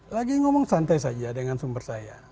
lagi ngomong santai saja dengan sumber saya